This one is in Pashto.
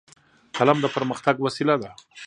قلم د پرمختګ وسیله ده